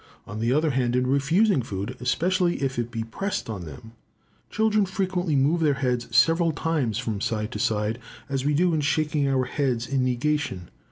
On the other hand, in refusing food, especially if it be pressed on them, children frequently move their heads several times from side to side, as we do in shaking our heads in negation.